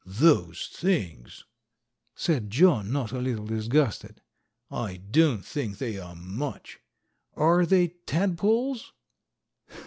"Those things!" said John, not a little disgusted. "I don't think they are much. Are they tadpoles?"